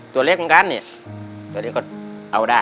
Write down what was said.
ตัวเล็กกันกันเนี่ยเดี๋ยวนี้ก็เอาได้